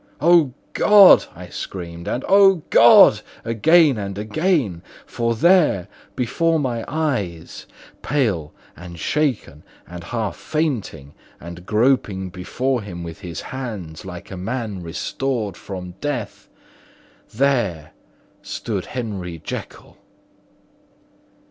"O God!" I screamed, and "O God!" again and again; for there before my eyes—pale and shaken, and half fainting, and groping before him with his hands, like a man restored from death—there stood Henry Jekyll!